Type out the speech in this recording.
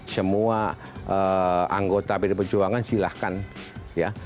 semua anggota pdi perjuangan silahkan ya